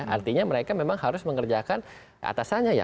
artinya mereka memang harus mengerjakan atasannya ya